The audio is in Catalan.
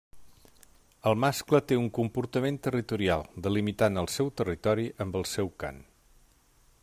El mascle té un comportament territorial, delimitant el seu territori amb el seu cant.